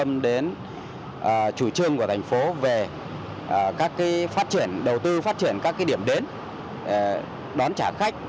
chúng tôi rất quan tâm đến chủ trương của thành phố về các cái phát triển đầu tư phát triển các cái điểm đến đón trả khách